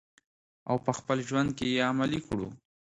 او په خپل ژوند کې یې عملي کړو.